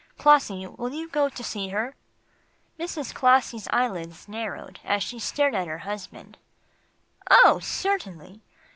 Clossie, will you go to see her?" Mrs. Clossie's eyelids narrowed, as she stared at her husband. "Oh! certainly.